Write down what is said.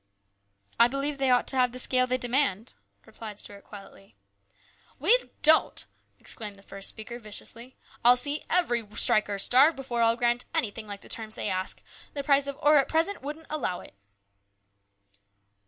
" I believe they ought to have the scale they demand," replied Stuart quietly. " We don't !" exclaimed the first speaker viciously. " I'll see every striker starve before I'll grant anything like the terms they ask. The price of ore at present wouldn't allow it."